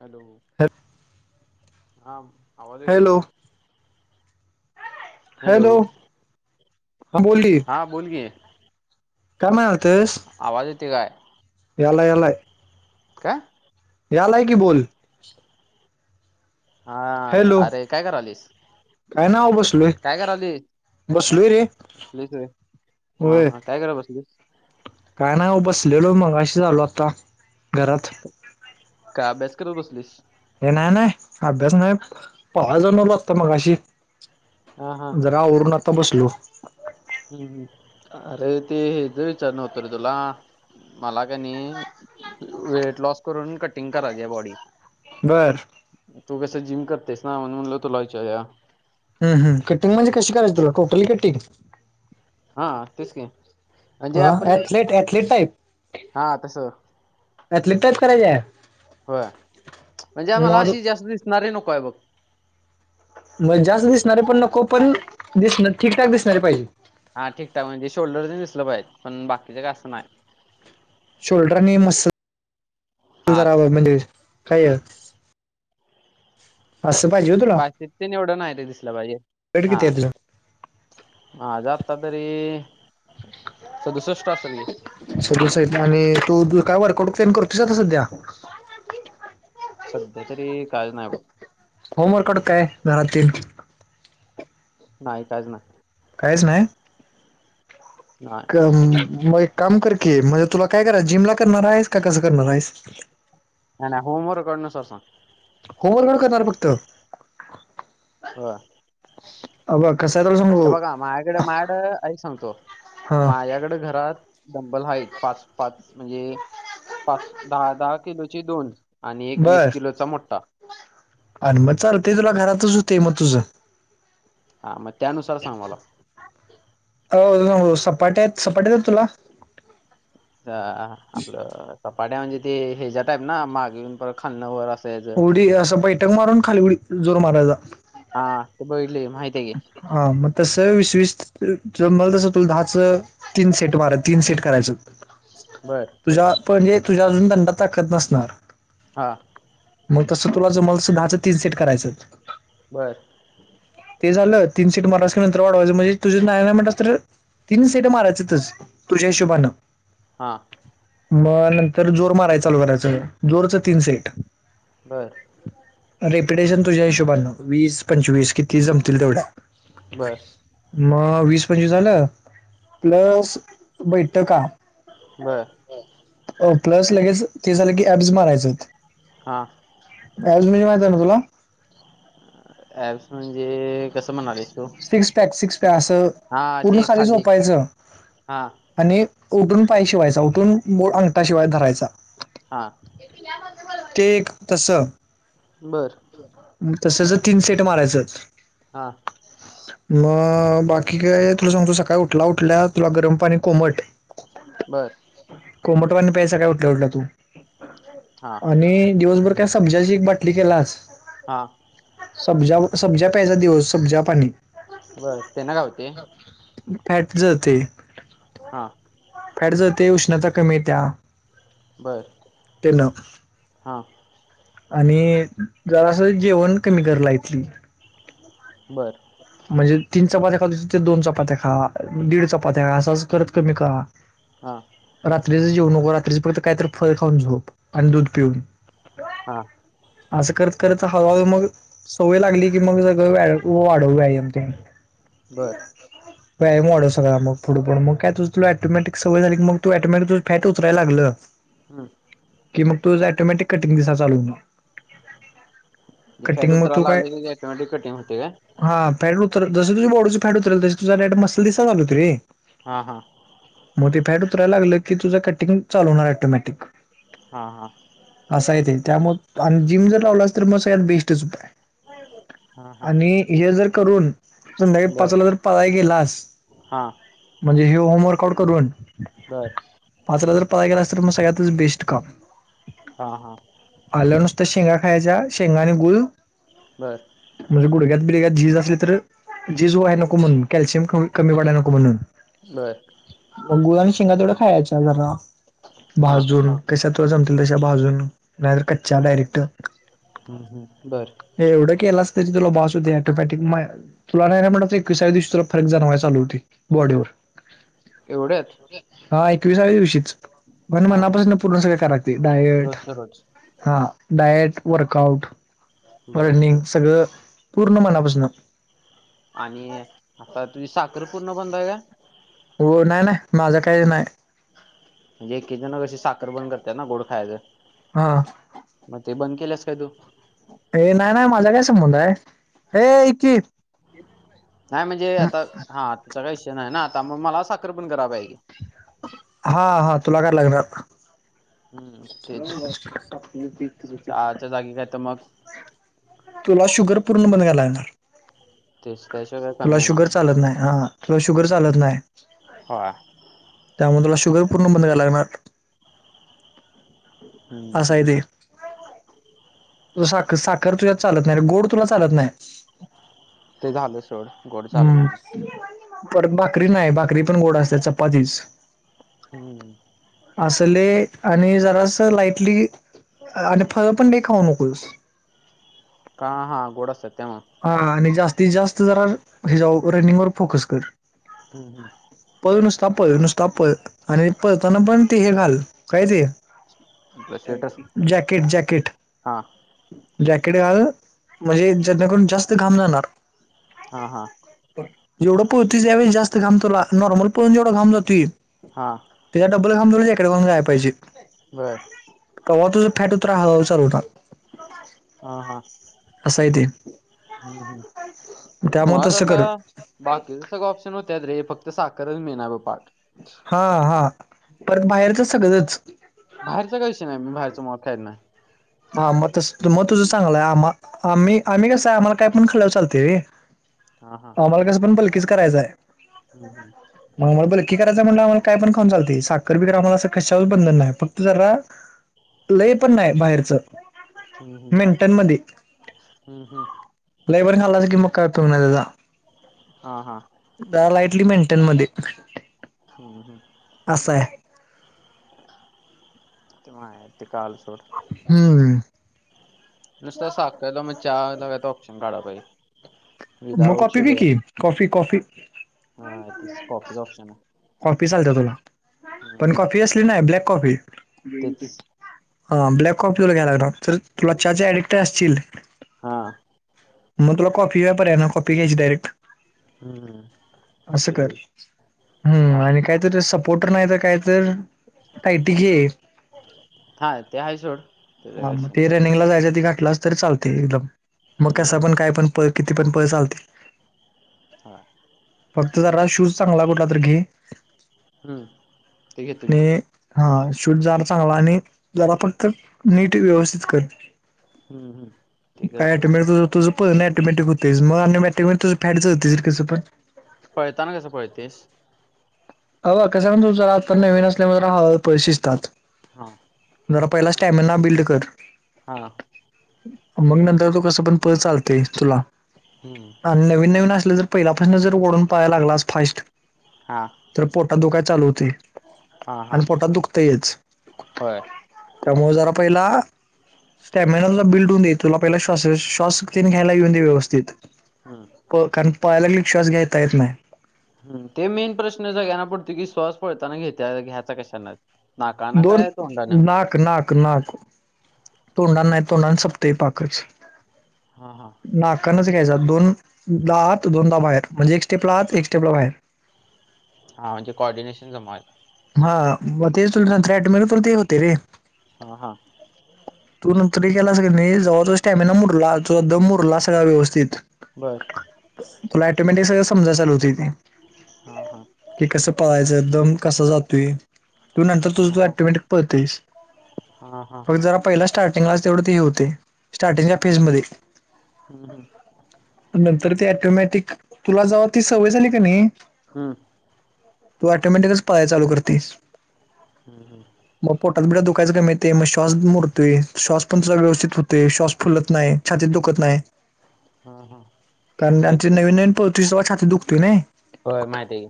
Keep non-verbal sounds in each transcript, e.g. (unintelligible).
Hello. हा आवाज येते का? Hello hello. बोल की हा बोल की. काय म्हणलतेस. आवाज येते काय? याला यालाय. काय? यालाय की, बोल. हा, हॅलो अरे काय करालीस. काय ना हो बसलोय. काय करालीस बसलोय रे. बसलीस होय हा होय हा. काय करा बसलीस. काय नाही ओ बसलेलो. मगाशीच आलो आता घरात. काय अभ्यास करत बसलीस. हे नाय नाय. आभ्यास नाय. पहायला जावुन आलो. आता मगाशी. हा हां. जरा आवरून आता बसलो. हम्म हम्म. अरे ते जु विचान होतो रे तुला. मला कनी. वेट लॉस करून, कटिंग करायची बॉडी. बर. तू कसं जिम करतेस ना. म्हणून म्हणलं तुला विचारुया. हम्म हम्म. कटिंग म्हणजे कशी करायची तुला. Totally cutting. हा तेच की म्हणजे अ. आपण एथलेट एथले टाईप. हा तसं एथले टाईप करायचेय. होय म्हणजे आम्हाला अशी, जास्त दिसणारी नकोय बघ. म जास्त दिसणारे पण नको. पण दिस ठीकठाक दिसणारे पाहिजे. हा ठीकठाक. म्हणजे शोल्डरच दिसलं पाहिजे. पण बाकीचं का असं नाय. शोल्डर आणि मस्लल हा जरावं. तसं म्हणजे काय. असं पाहिजे हो तुला. ति तेन एवढं नाही ते दिसलं पाहिजे. वेट हा. किती आहे तुझं आज आत्ता तरी, सदुसष्ट असल की. सदुसष्ट आणि तू काय वर्कआउट तेन करतोस. आता सध्या. सध्या तरी, काही च नाय बघ. होमवर्क आउट काय. घरातील. नाही काच नाय. काहीच नाय. नाय. मग एक काम कर की, म्हणजे तुला काय करा जिम ला करणार आहेस. का कसं करणार आहेस. नाय नाय होम वर्क करण नुसार सांग. होमवर्क वर करणार फक्त. होय. अ बघ. कसाय तुला सांगु हे बघा माझ्याकडे माझ्याकड. आधीच सांगतो. हा माझ्याकडें घरात डंबल हाये. पाच पाच म्हणजे पाच दहा दहा किलोचे दोन. आणि एक वीस बर किलोचा मोठठा. आणि मग चालतेय. तुला घरातच होते म तुझं. हा म. अ सपाट्या येत सपाट्या येत तुला. अ, आपलं सपाट्या म्हणजे ते हच्या्या टाईप ना. मागे येऊन परत खाल्ण वर अस यायच. उडी, असं बैठक मारून. खाली उडी जोर मारायचा. हा. ते बघितले की, माहिते की. हा मग तसं वीस वीस जमेल तसं तु दहाच तीन सेट मार तीन सेट करायचं बरं तुझ्या पणजे तुझ्या अजून दंडात खच नसणार. हां मग तसं तुला जमलं तसं दहाच तीन सेट करायचं. बरं ते झालं तीन सीट मारायचं की नंतर वाढवायचं म्हणजे तुझे नाहीय म्हटलं असतं तर तीन सीट मारयचेच. तुझ्या हिशोबानं हा मग नंतर जोर मारायचाल करायचं. जोरचं तीन सेट बर रेप्युटेशन तुझ्या हिशोबानन वीस पंचवीस किती जमतील तेवढ्या बरं मग वीस पंचवीस झालं प्लस बैठका बरं. हो प्लस लगेच ते झालं की ऍब्स मारायचं आहेत. हा अजुन म्हजे माहित आहे ना तुला? ऍप्स म्हणजे कसं म्हणालेस तू सिक्स पॅक सिक्स पॅ असं हा पूर्ण ते खाली झोपायचं. हा आणि उठून पाय शिवायचा उठून अंगठाशिवाय धरायचा हा ते एक तसं बरं. तसंच तीन सेट मारायचं हा मग बाकी काय तुला सांगतो सकाळी उठला उठल्या तुला गरम पाणी कोमट. बरं. कोमटवा प्यायचं काय उठलं उठलं तू हा आणि दिवसभर. सब्जाची एक बाटली केलास. हा सबज सब्जा प्यायचा दिवस सब्जा पाणी. बर त्यांना काय होते फॅट जळतंय. हा फॅड जळतंय ते उष्णता कमी येत्या बरं त्यानं हा आणि जरास जेवण कमी कर लाईटली बरं म्हणजे तीन चपात्या खातो ते दोन चपात्या खा दीड चपात्या खा असंच करत कमी करा हा रात्रीच जेवू नको रात्रीच फक्त कायत फळ खाऊन झोप आणि दूध पिऊन. हा असं करत करत हळूहळू मग सवय लागली की मग सगळं वाढवूया. कमती. (inaudible) व्यायाम वाढव सगळा मग पुढ पुढ मग काय तुला सवय झाली मग तू ऑटोमॅटिक फॅट उतराया लागलं. हम्म की मग तू ऑटोमॅटिक कटिंग दिसायला चालू होईल. फॅट कटिंग मग तू उतराला काय लागल की ऑटोमॅटिक कटिंग होते का? हा फॅट उतरल जस तुझं बॉडीचं फॅट उतरल तसं तुझा फॅट मसल दिसायला चालू हो रे हा हा मग तेे फॅट उतराय लागलं की तुझं कटिंग चालू होणार ॲटोमॅटिक हा हा असा येते त्यामु आणि जिम जर लावला अस तर मग सगळ्यात बेस्टच उपाय हा हा आणि हे जर करून संध्याकाळी बर पाचला तर पळायला गेलास हा म्हणजे ह होमवर्क आउट करून बर. पाच ला जर पळायला गेला अस तर मग सगळ्यातच बेस्ट काम हा हा. आलं नुसतं शेंगा खायच्या शेंगा आणि गुळ बर म्हणजे गुडघ्यात बिडग्यात झीज असली तर झीज व्हाय नको म्हणन कॅल्शियम ख कमी पडाय नको म्हणून बरं मग गुळ आणि शेंगा तेवड्या खायच्या जरा हा भाजून कशात तुला जमतील तशा भाजून नाहीतर कच्च्या डायरेक्ट हम्म, हम्म. बर हे एवढं केलास तरी तुला बास होती अँटोमॅटिक म तुला नाही नाही म्हणत एकविसाव्या दिवशी फरक जणवा चालू होती बॉडीवर एवढ्यात हा एकविसाव्या दिवशीच पण हा हा मनापासून पूर्ण सगळ करायाला लागतंय डायट रोजच रोज हा डाएट वर्कआउट बर रनिंग सगळं पूर्ण मनापासून आणि आता तुझी साखर पूर्ण बंद आहे व्हय हो नाही माझ काही नाही म्हणजे एकी जण अशी साखर बंद करतना गोड खायचं हा मग ते बंद केलंस काय तू हे नाही माझा काय संबंध आहे हे ये की त्या काय विषय नाही आहे ना आता मग मला साखर बंद कराय पाहिजे हा हा तुला करायला लागणार हम्म तेच चहाच्या जागी काय तर मग तुला शुगर पूर्ण बंद करायला लागणार ते काय कमी तुला येणार शुगर चालत नाही हा तुला शुगर चालत नाही होय त्यामुळे तुला शुगर पूण बंद कराला लागणार हम्म असं हम्म तुला साख साखर तुझ्यात चालत नाही रे गोड तुला चालत नाही ते झालं सोड गोड चालत हम्म नाही परत भाकरी नाही भाकरी पण गोड असत चपातीच हम्म असले आणि जरास लाईटली आणि फळ पण लय खाऊ नकोस का हा गोड असतात त्या मग हा आणि जास्तीत जास्त जरा हे जाऊ रनिंग वर फोकस कर हम् हम् पळ नुसता पळं नुसता पळ आणि पळताना पण ते हे घाल काय ते आपलं स्वेटर जॅकेट जॅकेट हा जॅकेट घाल म्हणजे जतनाकरून जास्त घाम जाणार हा हा जेवढं पळतूयस यावेळी जास्त घाम तुला नॉर्मल पळून जेवढं घाम जातुय हा त्याच्या डबल घाम जॅकेटघालून जायलाहिजे बरं कव्हा तुझं फॅट उतरा हळु हळु चालू होणार. हा हा असं आहे ते (unintelligible) त्यामुळे तसं कर बाकीच सगळं ऑप्शन होतत्यात रे फक्त साखरच मेना बग पाठ हा हा परत बाहेरच सगळंच. बाहेरच काही विषय नाही मी बाहेरचं मुळात खाहीत नाही. हा मग तस मग तुझं चांगलाय आ म आम्ही आम्ही कस आहे आम्हाला काय पण खे खाल्ल तर चालतय रे हा हा आम्हाला कसं पण पलकीच करायचाय. हम् हम मग आम्हाला बलकी करायच म्हंलं आम्हाला कायण खऊन चालतय साखरिकगरा आम्हाला अस कशाच बंधन नाही फक्त जरा. लय पण नाही बाहेरच हम्म हम्म हम्म मिनंटनमधी हम्म हम्म लय बाइर खाल्लस की मग काय उपयोग नाही तेचा. हा हा दहा लाईटली मिनंटनमध्ये हम्म हम आसाय ते मला ते कळांल सोड. हम् नुसता साखला मग चहा मध्ये ऑप्शन काढाय पाहिजे. मग विदाउट कॉफी पी शुगर की कॉफी कॉफी हा तेच कॉफीच ऑप्शन आहे कॉफी चालते तुला पण हम्म कॉफी असली नाही ब्लॅक कॉफी तेच हा ब्लॅक कॉफी वर घ्यायला लागणार तर तुला चाची ऍडिकट असतील. हा मग तुला कॉफी घ्याय पर्याय नाही नाय कॉफी् घ्याययची डायरेक्ट हम्म असं ते कर हम्म हा आणि काय? तर सपोर्टर नाही तर काय तर टायटी घे. हा ते हाय सोड त्याचा हा काय मग विषय ते नाही रनिंगला जायच आधी घाटलाच तरी चालतय एकदम मग कस हम्म पण काय पण पळ किती पण पळ चालतय. हा फक्त जरा शूज चांगला कुठला तर घे. हम्म! ते घेतो की आणि हा शूज जाड चांगला आणि जरा फक्त नीट व्यवस्थित कर. हम्म हम्म ते काय करतो अटीमेट तुझ. पळणं ऑटोमॅटीक होतयच अनमॅटिक तुझ फॅट जळतय तस पण पळताना कसं पळतयस. हे बग कसं म्हण तुझ आता नवीनसल्यामुळे जरा हळूहळू पळ शिसतात. हा जरा पहिला स्टॅमिना बिंल्ड कर. हा मग नंतर तू कस पण पळ चालतय तुला हम्म आणि नवीन नवीन असले जर पहिल्यापासून जर ओढून पाहाला लागला आज फास्ट हा तर पोटात दुखाय चालू होतय हा हा आणि पोटात दुखतंयच. होय त्यामुळं जरा पहिला स्टॅमिना तुझा बिल्ड होऊदे तुला पहीला श्वास श्वासत घ्यायला येऊ दे व्यवस्थित हम्म. प कारण पळाय लागल की श्वास घेता येत नाही. हम्म ते मेन प्रश्न सगळ्यांना पडतो की श्वास पळताना घेत घ्यायचा कशानं? नाकानं दोन, काय तोंडानं नाक नाक नाक. तोंडानं नाही तोंडानं संपतय पाकच. हा हा. नाकानच घ्यायचा दोनदा आत दोनदा बाहेर म्हणजे एक स्टेपला आत एक स्टेपला बाहेर. हा म्हणजे कॉऑर्डिनेशन जमवायला. हा म ते तुला (unintelligible) मे ते होते रे. हा हा. तू नंतरही केलास नाही जवा तो स्टॅमिना मुरला तुजा दम मुरला सगळा व्यवस्थित. बरं. तुला ॲटोमॅटिक सगळ समजाय चालू होतय ते. हा हा. की कसं पळायचं? दम कसा जातोय? तु नंतर तुझ तू हा ऑटोमॅटीक पळतयस, हा हा हा फक्त जरा पहिला स्टार्टिंगलाच तेवढं ते हे होतय, स्टार्टिंगच्या फेज मध्ये. हम्म हम. नंतर ते ॲटोमॅटिक, तुला जवा ती सवय झाली की नाही हम्म तू ऑटोमॅटिकच पळाय चालू करतयस. हम हम. मग पोटात बिठात दुखायचं कमी येतय मग श्वास मुरतोय, श्वास पण ता व्यवस्थित होतय, श्वास फुलत नाही. छातीत दुकत नाही. हा हा कारण असा त्यांचे विषय नवीन नवीन पळतय तवा छातीत दुखतय नाही. होय माहिते की.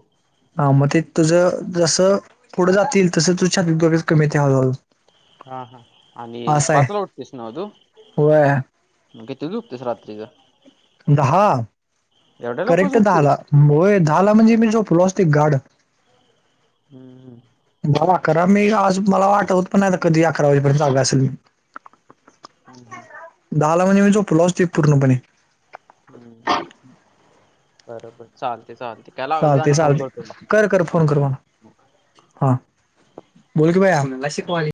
हा मग ते तुझं जसं पुढं जातील तस तुझ छातीेत दुखायचं कमी येतय हळूहळू. हा हा आणि असं आहे पाचला उठतोयस न्हवं तू? होय मग किती ला झोपतोस रात्रीचं? दहा, एवढ्या लवकर करेक्ट दहाला झोपतेस होय दहाला म्हणजे मी झोपलो असतोय गाढ. हम्म हम्म. दहा अकरा मी अजून मला आठवत पण नाही आता कधी अकरा वाजेपर्यंत जागा असेल मी. हम् हम. दहाला म्हणजे मी झोपलो असतोय पूर्णपणे. हम्म बरोबर चालते चालते. काय लागलं तर चालते आणि फोन चालते करतो कर कर फोन कर मला, हा. बोल की बाई हाम शिकवालि.